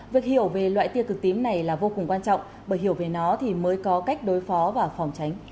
việc hiểu về loại tiê cực tím này là vô cùng quan trọng bởi hiểu về nó thì mới có cách đối phó và phòng tránh